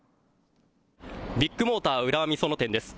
ビッグモーター浦和美園店です。